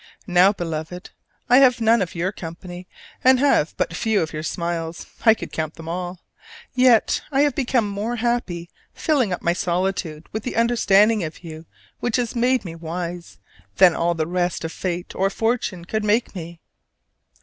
Now, Beloved, I have none of your company, and have had but few of your smiles (I could count them all); yet I have become more happy filling up my solitude with the understanding of you which has made me wise, than all the rest of fate or fortune could make me.